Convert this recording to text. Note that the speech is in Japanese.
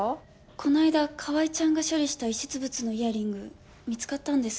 この間川合ちゃんが処理した遺失物のイヤリング見つかったんです。